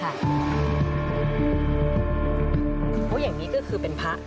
เพราะอย่างนี้ก็คือเป็นพระ